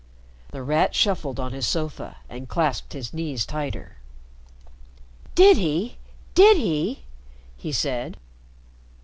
The Rat shuffled on his sofa and clasped his knees tighter. "Did he? Did he?" he said.